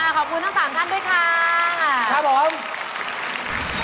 ขอบคุณทั้ง๓ท่านด้วยค่ะ